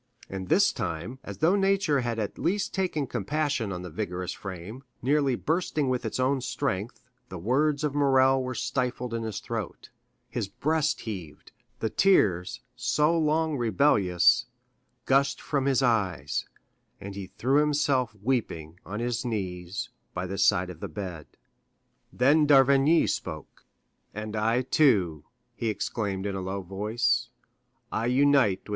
And this time, as though nature had at least taken compassion on the vigorous frame, nearly bursting with its own strength, the words of Morrel were stifled in his throat; his breast heaved; the tears, so long rebellious, gushed from his eyes; and he threw himself weeping on his knees by the side of the bed. Then d'Avrigny spoke. "And I, too," he exclaimed in a low voice, "I unite with M.